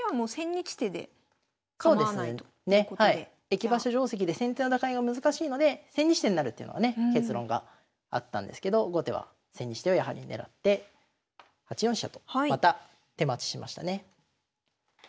駅馬車定跡で先手は打開が難しいので千日手になるっていうのがね結論があったんですけど後手は千日手をやはり狙って８四飛車とまた手待ちしましたね。